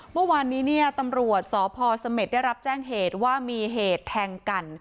เมื่อวานนี้เนี่ยตำรวจสพสเม็ดได้รับแจ้งเหตุว่ามีเหตุแทงกัน